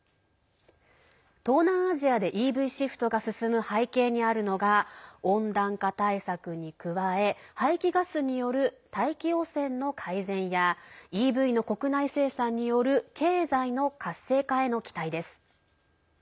東南アジアでＥＶシフトが進む背景にあるのが温暖化対策に加え排気ガスによる大気汚染の改善やＥＶの国内生産による経済の活性化への期待です。